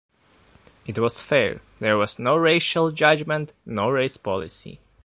It was fair - there was no racial judgement, no race policy.